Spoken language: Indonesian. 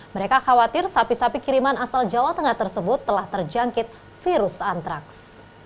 mereka khawatir sapi sapi kiriman asal jawa tengah tersebut telah terjangkit virus antraks